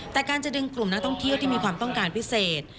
แต่การจะดึงกลุ่มนักท่องเที่ยวที่มีความต้องการพิเศษ